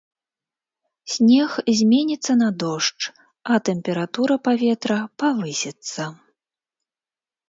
Снег зменіцца на дождж, а тэмпература паветра павысіцца.